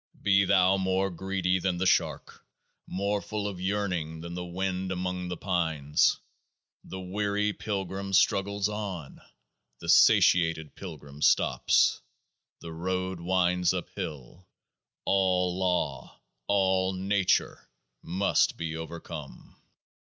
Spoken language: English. Be thou more greedy that the shark, more full of yearning than the wind among the pines. The weary pilgrim struggles on ; the satiated pilgrim stops. The road winds uphill : all law, all nature must be overcome.